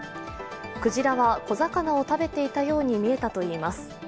クジラは小魚を食べていたように見えたといいます。